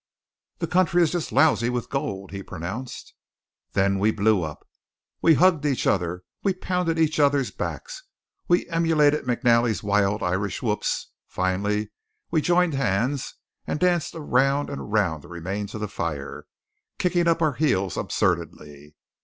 "The country is just lousy with gold," he pronounced. Then we blew up. We hugged each other, we pounded each other's backs, we emulated McNally's wild Irish whoops, finally we joined hands and danced around and around the remains of the fire, kicking up our heels absurdly.